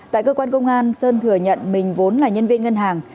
tại cơ quan công an sơn thừa nhận mình vốn là nhân viên ngân hàng